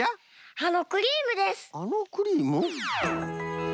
あのクリーム？